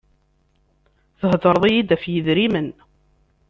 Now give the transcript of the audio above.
Thedreḍ-iy-d ɣef yidrimen.